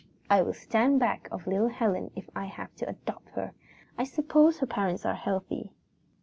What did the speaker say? I will stand back of little Helen if I have to adopt her. I suppose her parents are healthy?"